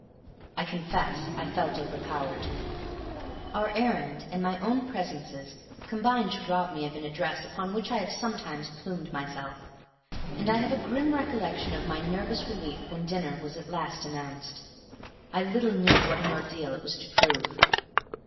I confess I felt overpowered. Our errand and my own presences combined to rob me of an address upon which I have sometimes plumed myself; and I have a grim recollection of my nervous relief when dinner was at last announced. I little knew what an ordeal it was to prove.